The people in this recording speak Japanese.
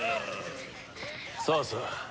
さあさあ